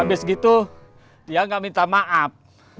habis gitu dia nggak minta maaf